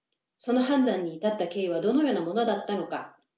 その判断に至った経緯はどのようなものだったのか？